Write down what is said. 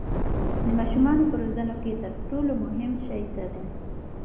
د ماشومانو په روزنه کې تر ټولو مهم شی څه دی؟